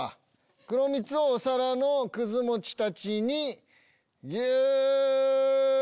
黒蜜をお皿のくず餅たちにぎゅっと。